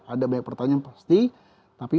ada banyak pertanyaan pasti tapi